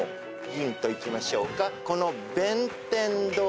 ヒントいきましょうか。